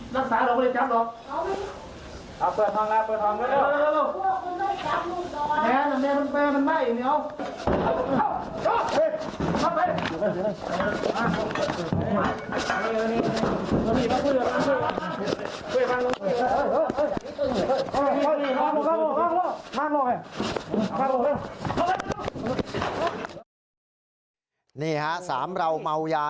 นี่ครับสามเราเมายา